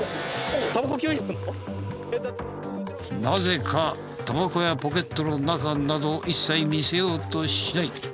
なぜかタバコやポケットの中など一切見せようとしない。